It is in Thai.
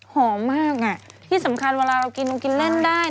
หอมมากอ่ะที่สำคัญเวลาเรากินเรากินเล่นได้